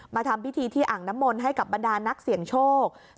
ทำพิธีที่อ่างน้ำมนต์ให้กับบรรดานักเสี่ยงโชค